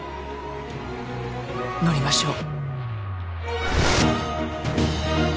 乗りましょう。